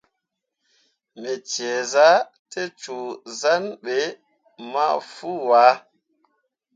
Me ceezah te cũũ san ɓe mah fuu ah.